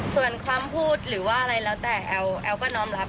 ส่วนความพูดหรือว่าอะไรแล้วแต่แอลก็น้อมรับ